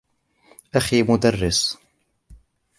أخي مدرس.